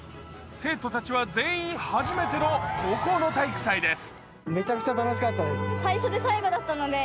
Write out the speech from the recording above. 生徒たちは全員初めての高校の体育祭です。